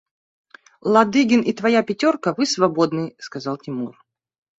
– Ладыгин и твоя пятерка, вы свободны, – сказал Тимур.